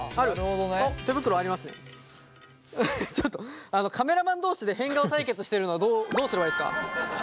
フフッちょっとカメラマン同士で変顔対決してるのどうすればいいですか？